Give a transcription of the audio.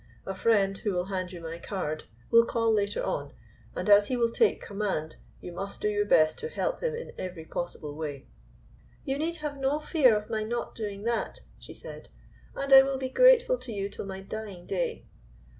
A friend, who will hand you my card, will call later on, and as he will take command, you must do your best to help him in every possible way." "You need have no fear of my not doing that," she said. "And I will be grateful to you till my dying day."